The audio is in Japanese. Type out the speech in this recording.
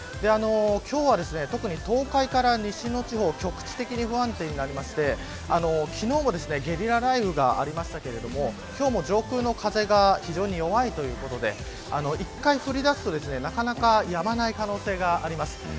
今日は特に東海から西の地方局地的に不安定になりまして昨日もゲリラ雷雨がありましたけれど今日も上空の風が非常に弱いということで一回降り出すとなかなかやまない可能性があります。